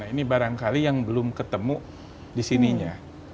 nah ini barangkali yang belum ketemu disininya